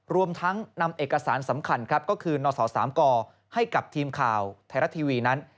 รวมทั้งนำเอกสารสำคัญครับก็คือนศ๓กให้กับทีมข่าวไทยรัฐทีวีนั้น